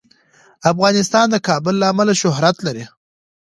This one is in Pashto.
افغانستان د کابل له امله شهرت لري.